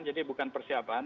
jadi bukan persiapan